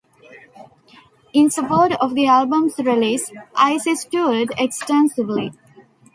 In support of the album's release, Isis toured extensively.